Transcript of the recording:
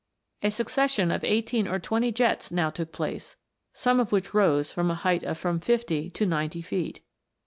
A succession of eighteen or twenty jets now took place, some of which rose from a height of from fifty to ninety feet.